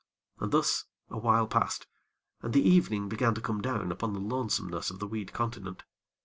And thus a while passed, and the evening began to come down upon the lonesomeness of the weed continent.